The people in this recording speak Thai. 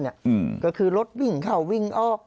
งั้นรถวิ่งเข้าวิ่งออก